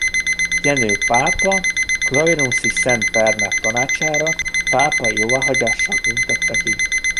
Jenő pápa Clairvaux-i Szent Bernát tanácsára pápai jóváhagyással tüntette ki.